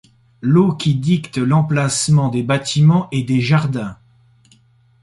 L'eau qui dicte l'emplacement des bâtiments et des jardins.